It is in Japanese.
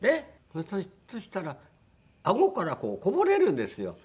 またそしたらあごからこうこぼれるんですよ。